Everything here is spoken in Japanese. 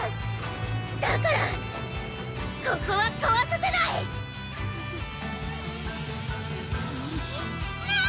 だからここはこわさせない！ああ！